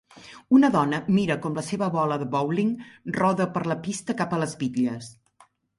Una dona mira com la seva bola de bowling roda per la pista cap a les bitlles.